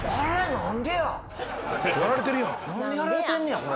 何でやられてんねやこれ。